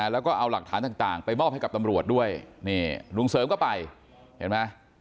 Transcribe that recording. แล้วก็เอาหลักฐานต่างไปมอบให้กับตำรวจด้วยนี่ลุงเสริมก็ไปเห็นไหม